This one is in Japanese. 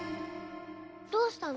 どうしたの？